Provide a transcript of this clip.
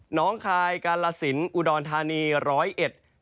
น้องคายกาลสินอุดรธานีร้อยเอ็ด